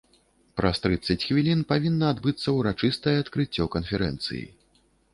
Праз трыццаць хвілін павінна адбыцца ўрачыстае адкрыццё канферэнцыі.